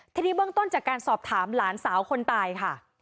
ทีนี้เบื้องต้นจากการสอบถามหลานสาวคนตายค่ะ